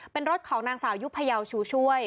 เป็นรถของนางสาวยุพยาวชูช่วย